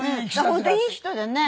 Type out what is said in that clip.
本当いい人でね。